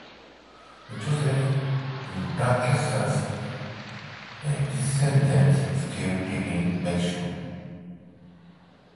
Joseph Lancaster's descendents still live in Mexico.